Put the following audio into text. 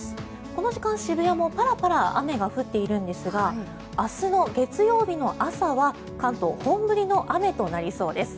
この時間、渋谷もパラパラ雨が降っているんですが明日の月曜日の朝は関東、本降りの雨となりそうです。